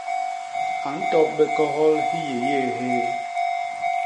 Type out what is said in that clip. A ntop bé kohol hiyéyéé hyéé.